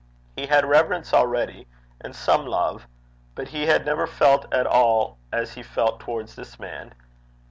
He had reverence already, and some love, but he had never felt at all as he felt towards this man.